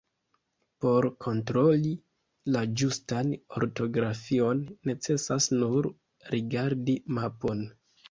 Por kontroli la ĝustan ortografion necesas nur rigardi mapon...